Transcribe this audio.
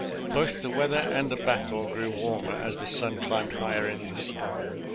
Both the weather and the battle grew warmer as the sun climbed higher in the sky.